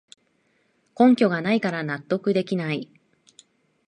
根拠がないから納得できない